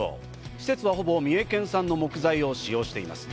施設はほぼ三重県産の木材を使用しています。